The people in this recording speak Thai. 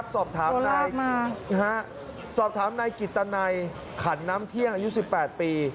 สอบถามนายสอบถามนายกิตนัยขันน้ำเที่ยงอายุ๑๘ปี